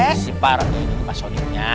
bisa gue simparin di sini pak sony nya